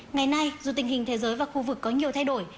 ngày nay dù tình hình thế giới và khu vực có nhiều thay đổi